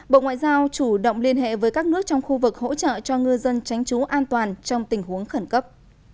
bộ ngoại giao chủ động liên hệ với các nước trong khu vực hỗ trợ cho ngư dân tránh trú an toàn trong tình huống khẩn cấp